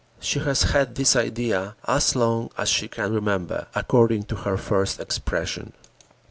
She has had this idea "as long as she can remember," according to her first expression.